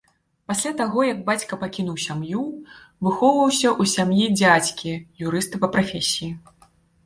Пасля таго, як бацька пакінуў сям'ю, выхоўваўся ў сям'і дзядзькі, юрыста па прафесіі.